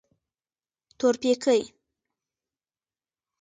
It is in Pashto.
تورپيکۍ.